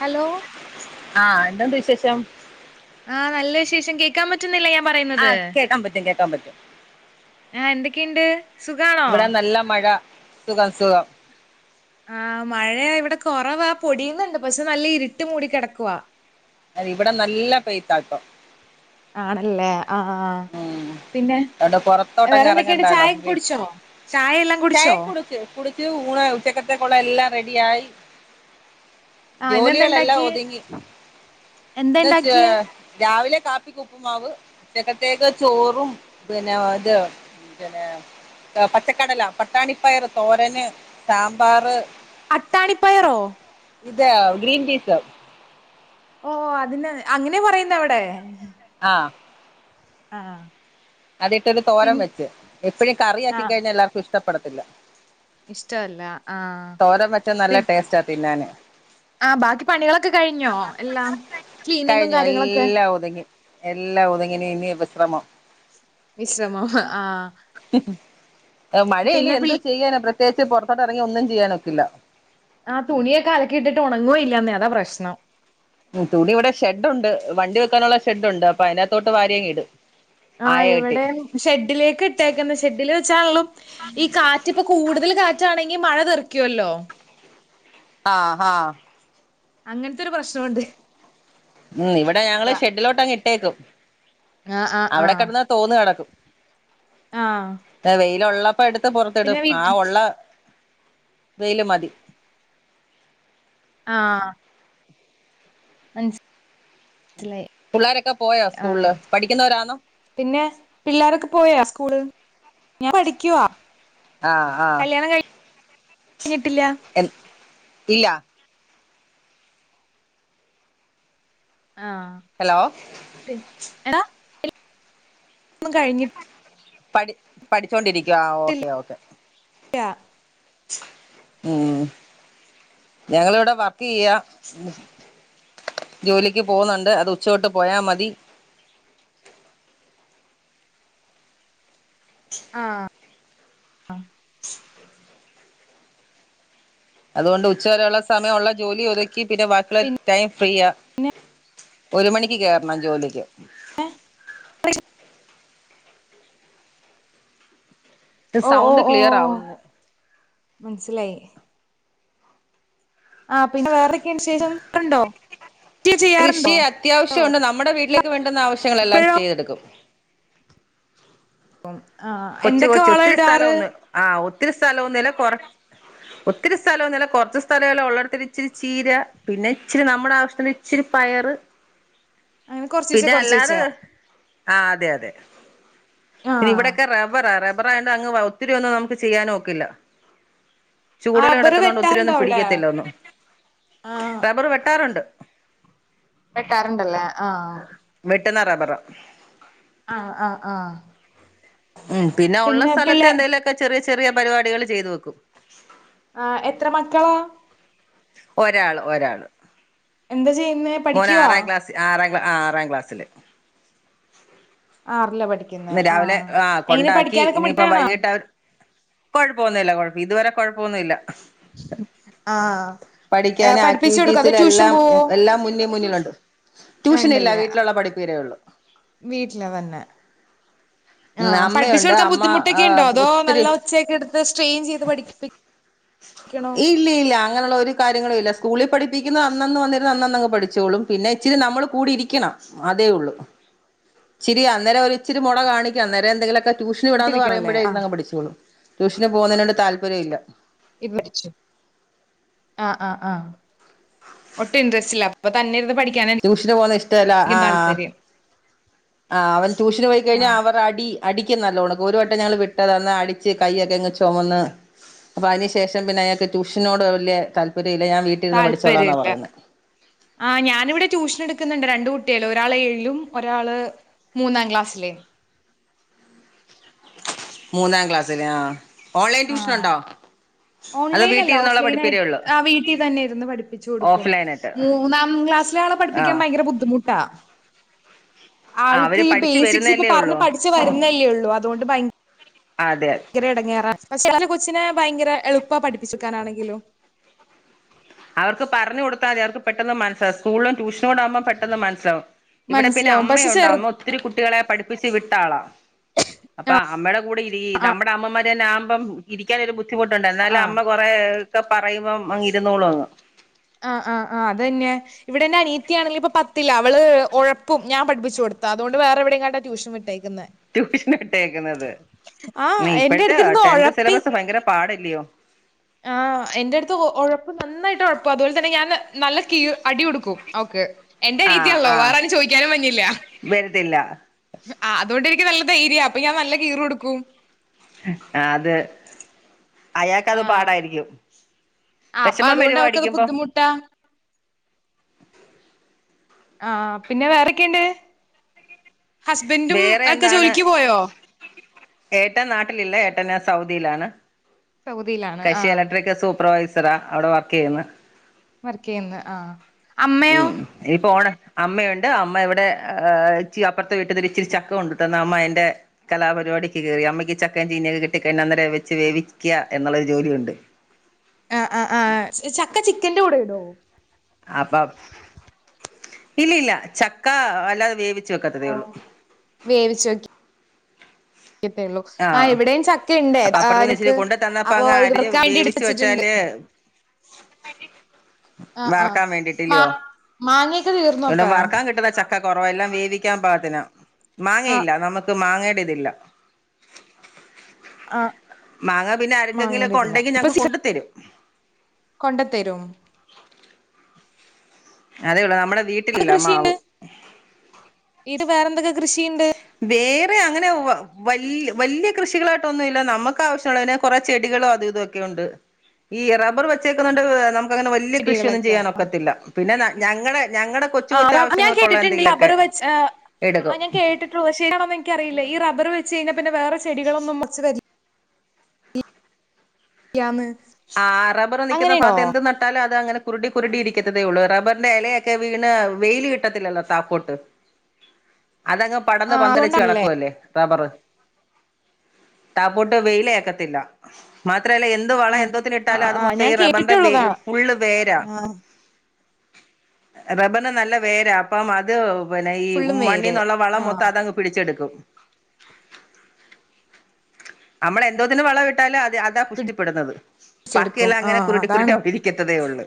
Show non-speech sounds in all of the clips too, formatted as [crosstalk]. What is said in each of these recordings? Hello ആഹ് എന്തുണ്ട് വിശേഷം ആഹ് നല്ല വിശേഷം കേൾക്കാൻ പറ്റുന്നില്ലേ ഞാൻ പറയുന്നത് ആഹ് കേക്കാൻ പറ്റും കേക്കാൻ പറ്റും ആഹ് എന്തൊക്കെയുണ്ട് സുഖാണോ ഇവിടെ നല്ല മഴ സുഖം സുഖം ആഹ് മഴ ഇവിടെ കുറവാ പൊടിയുന്നുണ്ട് പക്ഷേ നല്ല ഇരുട്ട് മൂടി കിടക്കുവാ അതെ ഇവിടെ നല്ല പെയ്ത്താ ഇപ്പം ആണല്ലേ ആഹ് ആഹ് ഉം പിന്നെ അതോണ്ട് വേറെ പൊറത്തോട്ടങ്ങ് എന്തൊക്കെയണ്ട് എറങ്ങണ്ടാലോ ചായ കുടിച്ചോ ചായയെല്ലാം കുടിച്ചോ ചായക്കെ കുടിച്ച് കുടിച്ച് ഊണ് ഉച്ചക്കത്തെക്കുളള എല്ലാം റെഡി ആയി ആഹ് ഇന്നെന്താ ജോലികളെല്ലാം ഇണ്ടാക്കിയേ ഒതുങ്ങി എന്താ എന്നിട്ട് ഇണ്ടാക്കിയേ രാവിലെ കാപ്പിക്കുപ്പുമാവ് ഉച്ചക്കത്തേക്ക് ചോറും പിന്നെ അത് പിന്നെ ന്താ പച്ചക്കടല പട്ടാണിപ്പയറ് തോരന് സാമ്പാറ് അട്ടാണിപ്പയറോ ഇത് ഗ്രീൻപീസ് ഓഹ് അതിന് അങ്ങെനെ പറയ്ന്നെ അവ്ടേ ആഹ് ആഹ് അതിട്ടൊരു പിൻ തോരം വെച്ച് എപ്പഴും കറിയാക്കി കഴിഞ്ഞാ എല്ലാർക്കും ഇഷ്ട്ടപ്പെടത്തില്ലാ ഇഷ്ട്ടവല്ലാ ആഹ് തോരൻ വെച്ചാ പി നല്ല ടേസ്റ്റാ തിന്നാന് ആഹ് ബാക്കി പണികളൊക്കെ കഴിഞ്ഞോ എല്ലാം ക്ലീനിങ്ങും കാര്യങ്ങളൊക്കെ ഒത്ങ്ങി എല്ലാം ഒത്ങ്ങി ഇനി ഇനി വിശ്രെമം വിശ്രമം ആഹ് മഴയായ്ലേ പിന്നെ പി എന്തോ ചെയ്യാനാ പ്ര ത്യേകിച്ച് പൊറത്തോട്ടെറെങ്ങി ഒന്നും ചെയ്യാനൊക്കില്ലാ ആഹ് തുണിയൊക്കെ അലക്കിയിട്ടിട്ട് ഒണങ്ങുകയില്ലെന്നേ അതാ പ്രശ്ണം ഉം തുണി ഇവ്ടെ ഷെഡ്ഡുണ്ട് വണ്ടി വെക്കാനുള്ള ഷെഡ്ഡുണ്ട് അപ്പ അയ്നകത്തോട്ട് വാരിയങ്ങിടും ആയ ആഹ് കെട്ടി ഇവിടെ ഷെഡ്ഡിലേക്ക് ഇട്ടേക്ക്ന്ന് ഷെഡ്ഡില് വെച്ചാൺള്ളം ഈ കാറ്റ്പ്പൊ കൂട്തെല് കാറ്റാണെങ്കി മഴ തെറിയ്ക്കുവല്ലോ ആഹ് ഹാ അങ്ങൻത്തൊരു പ്രശ്നമുണ്ട് ഉം ഇവിടെ ഞങ്ങള് അതാ ഷെഡ്ഡിലോട്ടങ്ങ് ഇട്ടേക്കും ആ ആ അവിടെ കെടെന്ന് തോന്ന് കണക്കും ആഹ് ഏ വെയ്ലുള്ളപ്പ എട്ത്ത് പൊറെത്തിടും ആ ഉള്ള വെയില് മതി ആഹ് മൻസ് പുള്ളാരൊക്കെ പോയോ ആ സ്കൂൾല് പഠിയ്ക്കുന്നവരാന്നോ പിന്നെ പിള്ളേരൊക്കെ പോയാ സ്കൂള് ഞാൻ പഠിക്കുവാ ആഹ് ആഹ് കല്യാണം കഴ് ഞ്ഞിട്ടില്ലാ എ ഇല്ലാ ആഹ് ഹെലോ പിൻ എടാ ന്നും കഴിഞ്ഞി പഠി പഠിച്ചോണ്ടിരിയ്ക്കുവാ ഓക്കെ ഓക്കേ രാ ഉം ഞങ്ങളിവിടെ വർക്കെയ്യാ ജോലിക്ക് പോകുന്നുണ്ട് അത് ഉച്ച തൊട്ട് പോയാ മതി ആഹ് അതുകൊണ്ട് ഉച്ചവരെയുള്ള സമയം ഉള്ള ജോലി ഒതുക്കി പിന്നെ ബാക്കിള്ളെ പി ടൈം ഫ്രീയാ ഒരു മണിക്ക് കേറണം ജോലിയ്ക്ക് ഏഹ് [unintelligible] ത് ഓ സൗണ്ട് ക്ലിയറാവുന്ന് മൻസ്സ്ലായ് ആഹ് പിന്നെ വേറെക്കെയ്ന് ശേഷം ക്ക്ണ്ടോ കൃഷി അത്യാവശ്യാെണ്ട് നമ്മടെ വീട്ടിലേക്ക് വേണ്ടുന്ന ആവശ്യങ്ങളെല്ലാം ഇപ്പഴോ ചെയ്തെട്ക്കും പ്പം ആഹ് കൊച്ച് കൊച്ച് ഒത്തിരി സ്ഥല ഒന്നും ആഹ് ഒത്തിരി സ്ഥല ഒന്നു ഇല്ല കൊറ ഒത്തിരി സ്ഥലവാെന്നുല്ല കാെർച്ച് സ്ഥലേള്ളു ഒള്ളേടെത്തെന്നെ ഇച്ചിരി ചീര പിന്നെ ഇച്ചിരി നമ്മ്ടെ ആവ്ശ്ത്ത്ന് ഇച്ചിരി പയറ് അങ്ങനെ കൊറച്ചീച്ചെ പിന്നെ അല്ലാത് കൊറച്ചീച്ചെ ആഹ് അതെ അതേ ആ പിന്നെ ഇവിടൊക്കെ റബ്ബറാ റബ്ബറായോണ്ട് അങ്ങ് ഒത്തിരി ഒന്നും നമ്ക്ക് ചെയ്യാൻ ഒക്കില്ലാ ചൂടിൽ റബ്ബറ് കിടക്കുന്ന കൊണ്ട് ഒത്തിരി വെട്ടാറുണ്ടോ ഒന്നും അവിടെ പിടിക്കത്തില്ല ഒന്നു ആ റബ്ബർ വെട്ടാറുണ്ട് വെട്ടാറുണ്ടല്ലേ ആഹ വെട്ടുന്ന റബ്ബറാ ആഹ് ആഹ് ആഹ്. ഉം പിന്നെ ഉള്ള സ്ഥലത്ത് പിള്ളേ എന്തെലൊക്കെ ചെറിയ ചെറിയ പരിപാടികള് ചെയ്തു വെക്കും. ആ എത്ര മക്കളാ? ഒരാള് ഒരാള്. എന്താ ചെയ്യുന്നേ മോന് പഠിക്കുവാ? ആറാം ക്ലാസ് ആറാം കാ ആറാം ക്ലാസ്സില്. ആറില പഠി ഇന്ന് രാവിലെ ആഹ് കൊണ്ടാക്കി ഇനിയിപ്പം മിടുക്കാണോ വൈകീട്ട് അവൻ കൊഴപ്പോന്നൂല്ല കൊഴപ്പം ഇതുവരെ കൊഴപ്പൊന്നൂല്ല. ഉം പഠിക്കാന് അതോ ട്യൂഷൻ ആക്ടിവിറ്റീസിലെല്ലാം പോവോ എല്ലാം മുന്നി മുന്നിലുണ്ട്. ട്യൂഷനില്ല ഉണ്ടല്ലേ വീട്ടിലുള്ള പഠിപ്പ് തന്നേ ഒള്ളൂ. വീട്ടില് വന്ന്. ഉം ആഹ് പഠിപ്പിച്ച് അമ്മയുണ്ട് കൊടുക്കാൻ അമ്മ ആ ബുദ്ധിമുട്ടൊക്കെണ്ടോ അതോ ഒത്തിരി നല്ല ഒച്ചയൊക്കെ എട് ത്ത് സ്ട്രെയിൻ ചെയ്ത് പഠിപ്പിക്കണോ? ഇല്ല ഇല്ല അങ്ങനൊള്ള ഒരു കാര്യങ്ങളും ഇല്ല. സ്കൂളിൽ പഠിപ്പിക്കുന്നു അന്നന്ന് വന്നിര്ന്ന് അന്നന്നങ് പഠിച്ചോളും. പിന്നെ ഇച്ചിരി നമ്മള് കൂടി ഇരിക്കണം. അതേ ഒള്ളൂ. ഇച്ചിരി അന്നേരവരിച്ചിരി മൊണ കാണിക്കും. അന്നേരം എന്തേലൊക്കെ ട്യൂഷന് വിടാന്ന് കുട്ടിരിക്കണല്ലേ പറയുമ്പഴേ ആഹ് ഇര്ന്നങ്ങ് പഠിച്ചോള്ളും. ട്യൂഷന് പോകുന്നതിനോട്‌ താല്പര്യല്ല. ക്കി പഠിച്ചോളും. ആ ആ ആഹ്, ഒട്ടും ഇൻട്രസ്റ്റ്ല്ല. അപ്പൊ തന്നെ ഇര്ന്ന് പഠി ട്യൂഷന് പോകുന്നേ ഇഷ്ടല്ല ആഹ്. ആ അവൻ ട്യൂഷന് പോയി കഴിഞ്ഞാ ആഹ് അവർ അടി അടിക്കും നല്ലോണൊ ഒരുവട്ടം ഞങ്ങള് വിട്ടത. അന്ന് അടിച്ച് കയ്യൊക്കെ ഇങ്ങ് ചൊമന്ന് അപ്പൊ അതിന്ശേഷം പിന്നെ അയാക്ക് ട്യൂഷനോട് വല്ല്യേ താല്പര്യല്ല ഞാൻ വീട്ടിര്ന്ന് പഠിച്ചോളാന്നാ പറയുന്നേ. ആ ഞാനിവിടെ ട്യൂഷൻ എട്ക്കുന്നുണ്ട് രണ്ട് കുട്ടിയേള്. ഒരാളേഴിലും ഒരാള് മൂന്നാം ക്ലാസ്സിലേം. മൂന്നാം ക്ലാസ്സിലെ. ആഹ്. ഓൺലൈൻ ട്യൂഷനൊണ്ടോ? ഓൺലൈനല്ല ഓഫ്ലൈനായിട്ട് ആ വീട്ടി തന്നെ ഇര്ന്ന് പഠിപ്പിച്ചു കൊടുക്കും. ഓഫ്‌ലൈൻ ആയിട്ട് മൂന്നാം ക്ലാസിലെ ആളെ പഠിപ്പിക്കാൻ ആഹ് ഭയങ്കര ബുദ്ധിമുട്ടാ. ആഹ് അവര് ആൾക്ക് ഈ പഠിച്ചു ബേസിക്സ് ഇപ്പൊ വരുന്നല്ലേ പറഞ് ഉള്ളൂ പഠിച്ച് വരുന്നല്ലേ ഒള്ളൂ. അതുകൊണ്ട് ഭയ അതെ. എടങ്ങേറാ. പക്ഷേ ചെല കൊച്ചിനെ ഭയങ്കര എളുപ്പ പഠിപ്പിച്ചൊട്ക്കാനാണെങ്കിലും. അവർക്ക് പറഞ്ഞ കൊടുത്താതി അവർക്ക് പെട്ടെന്ന് മൻസ്സ് സ്കൂളിലും ട്യഷനൂടെ ആകുമ്പോ പെട്ടെന്ന് മൻസ്സിലാവും. ഇവിടെ പിന്നെ മനസ്സിലാവും പക്ഷെ അമ്മയുണ്ട് ചെറു അമ്മ ഒത്തിരി കുട്ടികളെ പഠിപ്പിച്ച് വിട്ടാളാ. അപ്പൊ അമ്മേടെ കൂടെ ഇരി നമ്മുടെ അമ്മമാരെ ടെ തന്നെ ആകുമ്പം ഇരിക്കാനൊരു ബുദ്ധിമുട്ടുണ്ട്. എന്നാലും ആഹ് അമ്മ കൊറേ ഒക്കെ പറയുമ്പം അങ്ങ് ഇരുന്നോളും. [inaudible] ആഹ് ആഹ് ആഹ് അതന്നെ. ഇവിടെന്റെ അനിയത്തിയാണെങ്കില് ഇപ്പൊ പത്തിലാ. അവള് ഒഴപ്പും ഞാൻ പഠപ്പിച്ചു കൊടുത്ത. അതുകൊണ്ട് വേറെവിടേങ്ങാണ്ട ടൂഷൻ വിട്ടേക്കുന്നേ. ട്യൂഷന് വിട്ടേക്കുന്നത്. ആഹ് ന്നേ എന്റെ ഇപ്പഴത്തെ അടുത്തിരുന്ന് ടെൻത് ഒഴപ്പി സിലബസ് ഭയങ്കര പാടല്ലയോ? ആഹ് എന്റട്ത്ത് ഒ ഒഴപ്പും നന്നായിട്ട് ഒഴപ്പും. അതുപോലെ തന്നെ ഞാൻ നല്ല കീ അടി കൊടുക്കും അവക്ക്. ആഹ് എന്റനിയത്തിയാണല്ലോ? ആഹ് വേറാരും ചൊയ്ക്കാനും വഞ്ഞില്ല. വരത്തില്ല ആ അതുകൊണ്ടനിക്ക് നല്ല ധൈര്യാ. അപ്പൊ ഞാൻ നല്ല കീറ് കൊടുക്കും. ആതെ. അയാക്കത് പാടായിരിക്കും. ആ അപ്പൊ വിഷമം അതുകൊണ്ട് വരുവോ അവർക്കത് അടിക്കുമ്പോ ബുദ്ധിമുട്ടാ. ആ പിന്നെ വേറെക്കെയുണ്ട്? ഹസ്ബൻറും വേറെ ഒക്കെ എന്താണ് ജോലിക്ക് പോയോ? ഏട്ടൻ നാട്ടിലില്ല ഏട്ടന് സൗദിയിലാണ്. സൗദിയിലാണ് കക്ഷി ആഹ് ഇലക്ട്രിക് സൂപ്പർവൈസറാ അവിടെ വർക്കിയ്യുന്നു. വർക്കിയ്യുന്നു. ആഹ്. മ് അമ്മയോ? ഇപ്പൊ ഓണ അമ്മയുണ്ട് അമ്മ ഇവിടെ ഇച്ചി അപ്പുറത്ത് വീട്ടിന്ന് ഇച്ചിരി ചക്ക കൊണ്ട തന്ന അമ്മ എന്റെ കലാപരിപാടിക്ക് കയറി അമ്മയ്ക്ക് ചക്കൻ ചീനൊക്കെ കിട്ടി കഴിഞ്ഞ അന്നരം വെച്ച് വേവിക്കുക എന്നുള്ളരു ജോലിയ ഉണ്ട് ആ ആ ആ ചക്ക ചിക്കന്റെ കൂടെ ഇടോ അപ്പൊ ഇല്ല ല്ല ചക്ക അല്ലാതെ വേവി വേവിച്ചോക്കി ആഹ് ഇവിടെയും ചക്കയുണ്ട് അപ്പൊ ആഹ് അപ്പറത്തന്ന് വച്ചി ഞങ്ങക്ക് കൊണ്ടു തന്നപ്പ അപ്പൊ അങ്ങ് ഇത് അരിഞ്ഞ് വറുക്കാൻ വേണ്ടി എടുത്ത് വേവിച്ചു വെച്ചിട്ടുണ്ട് വെച്ചാല് ആഹ് ആഹ് വറക്കാൻ മാ വേണ്ടിട്ടില്ലയോ മാങ്ങയൊക്കെ തീർന്നോ ഇഇവിടെ അപ്പ? വറക്കാൻ കിട്ടുന്ന ച ക്കെ കുറവെല്ലാം വേവിക്കാൻ പാകത്തിന ആഹ് മാങ്ങയില്ല നമുക്ക് മാങ്ങേയുടെ ഇതില്ല ആഹ് മാങ്ങ പിന്നെ മാങ്ങേടെ അരിക്കെങ്കിലൊക്കെ ഇതില്ല ഉണ്ടെങ്കിൽ ഞങ്ങക്ക് കൊണ്ടു തരും കൊണ്ട തരും അതെയെള്ളൂ നമ്മുടെ വീ കൃഷിയണ്ട് ഇട് വേറെന്തൊക്കെ കൃഷിയുണ്ട് വേറെ അങ്ങനെ വല്ല്യ യ കൃഷികളായിട്ടൊന്നുല്ല നമുക്ക് ആവശ്യമുള്ള എ കുറ ചെടികളോ അതും ഇതൊക്കെ ഉണ്ട് ഈ റബ്ബർ വെച്ചേക്കുന്നണ്ട് നമുക്ക് അങ്ങനെ വല്ല്യ കൃഷിയൊന്നും ചെടികളൊക്കെ ചെയ്യാൻ ഒക്കത്തില്ല പിന്നെ ഞങ്ങടെ ഞങ്ങടെ കൊച്ചു കൊച്ചു ആഹ് ഞാൻ ആവശ്യങ്ങൾക്കുള്ള കേട്ടിട്ടുണ്ട് എന്തെങ്കിലൊക്കെ റബ്ബർ വെ എടുക്കും ആഹ് ഞാൻ കേട്ടിണ്ട് ണോ എന്ക്കറിയില്ല ഈ റബ്ർ വെച്ച് കഴിഞ്ഞൽ പിന്ന വേറെ ചെടികളൊന്നും റച്ച് വരില്ല യാന്ന് ആഹ് റബ്ബർ നൽക്കുന്ന ഭാഗത്ത് എന്ത് ട്ടാലൽ അത് അങ്ങനെ കുരുടി കുറിടി ഇരിക്കത്തേ ഉള്ള റബ്ബറിന്റെ ഇലയൊക്കെ വീണ് വെയിൽ കിട്ടത്തില്ലോ താക്കോട്ട് അതങ്ങ് ആ പടന്ന് പന്തലച്ച് അതുകൊണ്ടാണല്ലേ കിടക്കുവല്ലേ റബർ ടാപ്പട്ട് വെയിലേക്കത്തില്ല മാത്രല്ല എന്ത് വളം ആ എ ആ ഇട്ടാല ആ അത് ആ മൊത്തം ഞാൻ ഈ റബ്ബറിന്റെ കേട്ടിട്ടുള്ളതാ ഫുള് വേരാ ആ റബ്ബറിന് നല്ല വേരാ അപ്പം അത് പിന്നെ ഈ ഫുള്ളും വേര് മണ്ണീന്നുള്ള ആ വളം മൊത്തം അതങ്ങ് പിടിച്ചെടുക്കും നമ്മള് എന്തോതിന് വള ഇട്ടാലും അത് അതാ പുഷ്ടിപ്പെടുന്നത് പിടിച്ചെടുക്കും പാക്കിയെല്ലാം ആ അങ്ങനെ കുരുട്ടി കുരുട്ടി അതാണ് ഒടരിക്കത്തതേ ഉള്ളൂ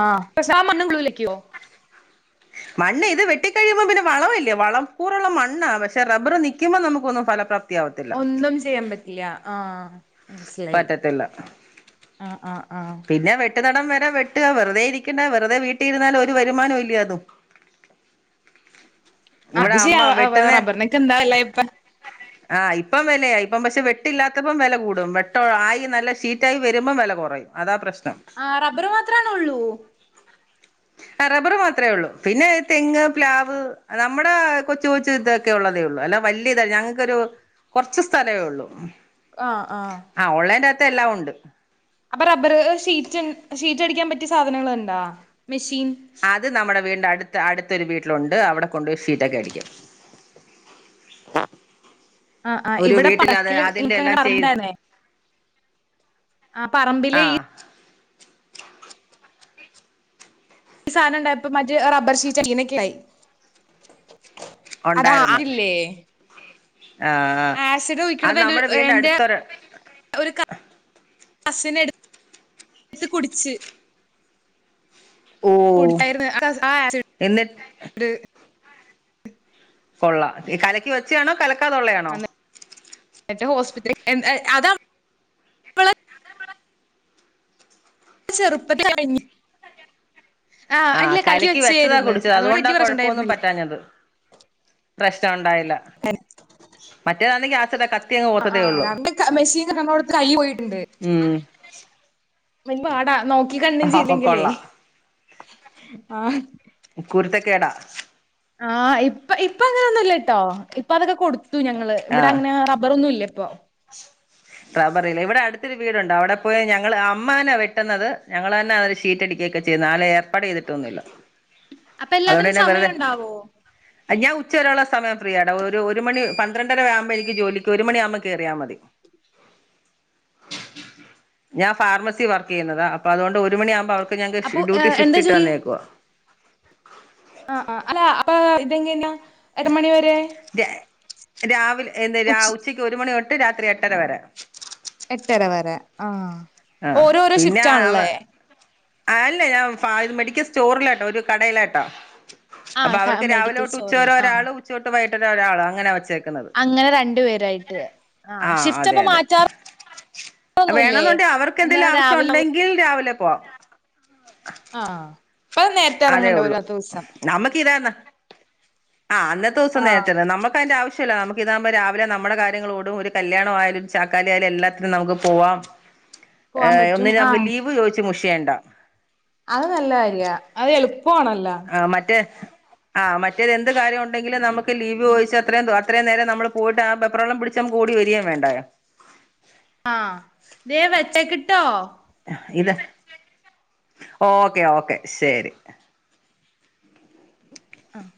ആഹ് പക്ഷെ ആ മണ്ണ കൂലക്കുവോ മണ് ഇത് വെട്ടിക്കഴിയുമ്പോ പിന്നെ വളവല്ല വളക്കൂറുള്ള മണ്ണണ് പക്ഷെ ബർ നൽക്കുമ്പോന്നും ഫലപ്ര ഒന്നും ചെയ്യാൻ പറ്റില്ല ആഹ് മനസിലായി പറ്റത്തില്ല ആ ആഹ് ആഹ് പിന്നെ വെട്ടുതട വരെ വെട്ടുക വെറുതെ ഇരിക്കണ്ട വെറുതെ വീട്ടിരുന്നാലും ഒരു വരുമാനം ഇല്ല അതും അത് ഇവിടെ ശെരിയാ അമ്മ വെട്ടുന്ന റബ്ബറിനൊക്കെ എന്താവല്ല ഇപ്പൊ ആഹ് ഇപ്പം വിലയായി ഇപ്പം പക്ഷെ വെട്ടില്ലാത്തപ്പം വില കൂടും വെട്ട ആയി നല്ല ഷീറ്റ ആയി വരുമ്പം വില കുറയും അതാ പ്രശ്നം ആഹ് റബർ മാത്രണ ഉള്ളൂ റബ്ബർ മാത്രേ ഉള്ളൂ പിന്നെ തെങ്ങ് പ്ലാവ് നമ്മുടെ കൊച്ചു കൊച്ചു ഇതൊക്കെ ഉള്ളതേ ഉള്ളു അല്ല വല്ല്യ ഇത ഞങ്ങൾക്കൊരു കുറച്ച സ്ഥലമേ ഉള്ളൂ ആഹ് ആഹ് ആഹ് ഓൺലൈൻ്റകത്ത് എല്ലാം ഉണ്ട് അപ്പൊ റബ്ബർ ഷീറ്റ് ഷീറ്റ് അടിക്കാൻ പറ്റിയ സാധനങ്ങൾുണ്ടാ മെഷീൻ അത് നമ്മുടെ വീടിന്റെ അടു അടുത്തൊരു വീട്ടിലുണ്ട് അവിടെ കൊണ്ടുപയി ഷീറ്റൊക്കെ അടിക്കും ആഹ് ആഹ് ഒരു ഇവിടെ വീട്ടിൽ അത് പടക്കില് അതിന്റെ നിനക്ക് അങ്ങനെ എല്ലാം ചെയ്ത് പറമ്പണ്ടന്നേ ആഹ് പറമ്പില് ഈ ആഹ് ഈ സാനം ണ്ടായപ്പൊ മജ റബ്ബർ ഷീറ്റ് ചീനക്ക്ലായി. ഒണ്ടായിരുന്നു അതില്ലേ ആഹ്. ആസിഡ് അത് ഒഴിക്ണത് നമ്മടെ വീടിന്റെ എന്റെ അടുത്തൊരു ഒരു കസിന് എടു ട്ത്ത് കുടിച്ച്. ഓഹ് കുടിച്ചാര്ന്നു ആഹ് എന്നിട്ട് ണ്ട്. കൊള്ളാം ഈ കലക്കി വെച്ചയാണോ കലക്കാനൊള്ളയാണോ? എന്ന്ട്ട് ഹോസ്പിറ്റലിൽ [unintelligible] അതാണ് ചെറുപ്പത്ത് കഴിഞ് ആഹ്, കലക്കി വെച്ചതാ വെച്ചായിരുന്നു കുടിച്ചത് അതുകൊണ്ട് അതുകൊണ്ടാ വലിയ പ്രശ്നം കൊഴപ്പോന്നും ഉണ്ടായിരുന്നില്ല പറ്റാഞ്ഞത്. പ്രശ്നോണ്ടായില്ല മറ്റേതാണെങ്കി ആസിഡാ കത്ത് ആഹ് ആഹ് ലാബ് മെസ്സീന്ന് കണ്ടോടത്തി കൈ പോയിട്ടുണ്ട്. ഉം മുൻപാടാ നോ അഹാ ഹാ കൊള്ളാം ആഹ് കുരുത്തക്കേടാ. ആഹ് ഇപ്പ ഇപ്പ അങ്ങനെന്നുല്ലട്ടോ ഇപ്പ അതൊക്കെ കൊടു ത്തു ഞങ്ങള് ഇവടെ ആഹ് അങ്ങനെ റബ്ബറൊന്നും ഇല്ല ഇപ്പോ. [unintelligible] റബ്ബറില്ലേ ഇവിടെ അടുത്തൊരു വീടൊണ്ട് അവട പോയി ഞങ്ങള് അമ്മന്നേ വെട്ടുന്നത് ഞങ്ങള്ന്നാ ഷീറ്റ് അടിക്ക്യക്കെ ച്ച് നാളെ ഏർപ്പാട് ചെയ്തിട്ടൊന്നുല്ല. അപ്പൊ എല്ലാത്തിനും അതുകൊണ്ട്ന്നെ സമയം വെറുതെ ഉണ്ടാവോ ഞാൻ ഉച്ചവരെയുള്ള സമയം ത്രീ അടവ് ഒരു ഒരു മണി പന്ത്രണ്ടര ആവുമ്പോ എനിക്ക് ജോലിക്ക് ഒരു മണിയാകുമ്പോ കേറിയാ മതി. ഞാൻ ഫാർമസി വർക്ക് യ്യുന്നതാ അപ്പ അതുകൊണ്ട് ഒരു മണിയാകുമ്പോ അവ ഇപ്പ ഞങ്ങക്ക് അപ്പൊ ഷി ഡ്യൂട്ടി ഏഹ് എന്താ ഷിഫ്റ്റ് ഇട്ട് ജോലി തന്നേക്കുവാ. ആഹ് ആഹ് അല്ല അപ്പൊ ഇതെങ്ങനാ ഒര് മണിവരെ ദേ രാവിലെ എന്ത്‌ രാ ഉച്ചയ്ക്ക് ഒരു മണി തൊട്ട് രാത്രി എട്ടര വരെ. എട്ടര വരെ ആഹ് ആ ഓരോരോ പിന്നെ ഷിഫ്റ്റ് അവ ആൺല്ലേ. അല്ല ഞാൻ ഫാത് മെഡിക്കൽ സ്റ്റോറിലായിട്ട ഒരു കടേലായിട്ടാ. അപ്പൊ ആഹ് ക അവർക്ക് മെഡിക്കൽ രാവിലെട്ട് ഉച്ചവരെ സ്റ്റോറില് ആഹ് ഒരാള് ഉചൊട്ട് വൈകിട്ട് വരെ ഒരാള് അങ്ങനെ വെച്ചേ അങ്ങനെ രണ്ടു പേരായിട്ട് ആഹ് ഷിഫ്റ്റപ്പ മാറ്റാർ വേണോന്നുണ്ടെ അവർക്ക് എന്ന് എന്തെലും പറഞ്ഞാ ആവശ്യം രാവിലെ ഉണ്ടെങ്കിൽ രാവിലെ പോവാം. ആഹ്, അപ്പൊ നേരത്തെ അതേ എറങ്ങേണ്ടാ ഉള്ളൂ വരാതൊസം. നമുക്ക് ഇതാന്ന ആഹ് ന്നത്തെ ദിവസം നേരത്തെ നമ്മക്ക് അയ്ന്റെ ആവശ്യല്ല നമ്മ ഇതാക്മ്പോ രാവിലെ നമ്മടെ കാര്യങ്ങളോടും ഒരു കല്യാണം ആയാലും ചാക്കാലി ആയാലും എല്ലാത്തിനും നമുക്ക് പോവാം. പോവാൻ ഏഹ് പറ്റും ഒന്നിനും നമുക്ക് ആഹ് ലീവ് ചോയിച്ച് മുഷിയേണ്ട. അത് നല്ലകാര്യാ അത് എളുപ്പവാണല്ല. ആഹ് മറ്റേ ആഹ് മറ്റേത് എന്ത് കാര്യോണ്ടെങ്കിലും നമുക്ക് ലീവ് ചോയിച്ച് അത്രയും ദോ അത്രയും നേരം നമ്മള് പോയിട്ട് ആഹ് വെപ്രാളം പിടി ച്ചങ്ങ് ഓടി വരികേം വേണ്ടായോ. ആഹ് ദേ വെച്ചേക്ക്ട്ടോ. ഇത ഓക്കെ ഓക്കെ ശരി. ആഹ്